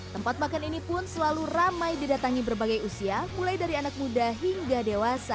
tempat makan ini pun selalu ramai didatangi berbagai usia mulai dari anak muda hingga dewasa